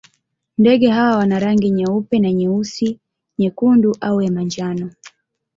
Ndege hawa wana rangi nyeupe na nyeusi, nyekundu au ya manjano.